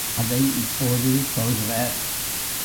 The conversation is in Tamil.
அதை இப்போது சொல்கிறார்.